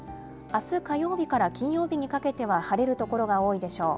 あす火曜日から金曜日にかけては晴れる所が多いでしょう。